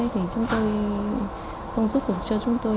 thì chúng tôi không giúp được cho chúng tôi